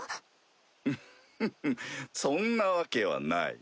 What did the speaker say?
フフフそんなわけはない。